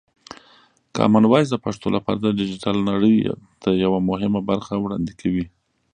کامن وایس د پښتو لپاره د ډیجیټل نړۍ ته یوه مهمه برخه وړاندې کوي.